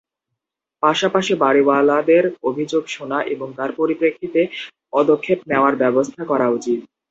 পাশাপাশি বাড়িওয়ালাদের অভিযোগ শোনা এবং তার পরিপ্রেক্ষিতে পদক্ষেপ নেওয়ার ব্যবস্থা করা উচিত।